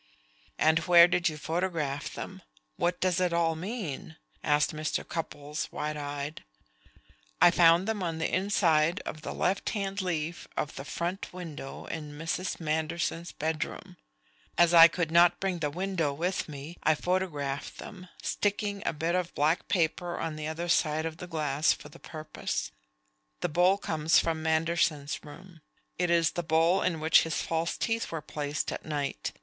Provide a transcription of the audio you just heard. "And where did you photograph them? What does it all mean?" asked Mr. Cupples, wide eyed. "I found them on the inside of the left hand leaf of the front window in Mrs. Manderson's bedroom. As I could not bring the window with me, I photographed them, sticking a bit of black paper on the other side of the glass for the purpose. The bowl comes from Manderson's room. It is the bowl in which his false teeth were placed at night.